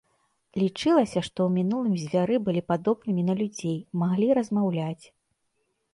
Лічылася, што ў мінулым звяры былі падобнымі на людзей, маглі размаўляць.